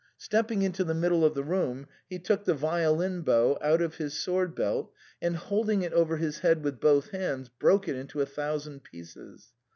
Stepping into the middle of the room, he took the violin bow out of his sword belt and, holding it over his head with both hands, broke it into a thousand pieces.